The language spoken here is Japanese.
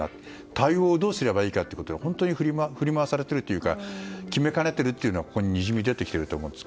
対応をどうすればいいかということで本当に振り回されているというか決めかねているのがここににじみ出ていると思います。